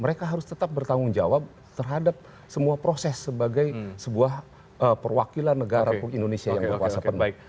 mereka harus tetap bertanggung jawab terhadap semua proses sebagai sebuah perwakilan negara indonesia yang berkuasa penuh